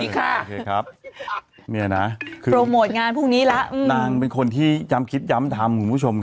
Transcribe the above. นี่คงมีสุดเจ้าแหละอันนี้สติมาครบแล้วเหรอโอเค